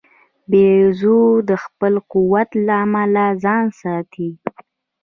بیزو د خپل قوت له امله ځان ساتي.